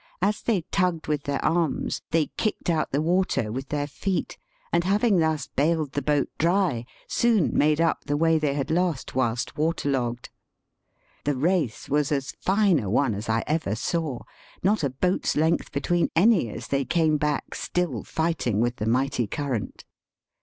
As they tugged with their arms, they kicked out the water with their feet, and having thus baled the boat dry, soon made up the way they had lost whilst water logged. The race was as fine a one as I ever saw, not a boat's length between any as they came back still fighting with the mighty current.